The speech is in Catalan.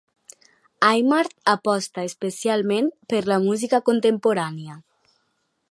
Aimard aposta especialment per la música contemporània.